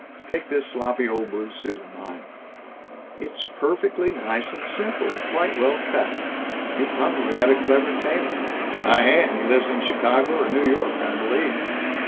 Take this sloppy old blue suit of mine " "It's perfectly nice and simple, and quite well cut. You probably had a clever tailor." "I had. He lives in Chicago or New York, I believe."